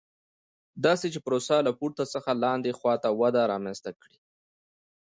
داسې چې پروسه له پورته څخه لاندې خوا ته وده رامنځته کړي.